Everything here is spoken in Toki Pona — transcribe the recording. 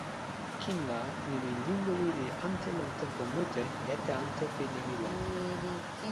kin la, nimi linluwi li ante lon tenpo mute ete ante pi nimi lon.